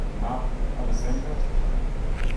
Na, alles senkrecht?